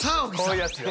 こういうやつよ。